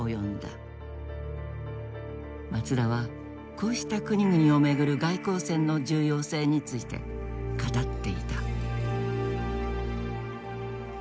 松田はこうした国々を巡る外交戦の重要性について語っていた。